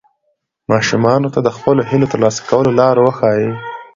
ماشومانو ته د خپلو هیلو د ترلاسه کولو لار وښایئ.